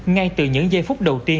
ngay từ những giây phút đầu tiên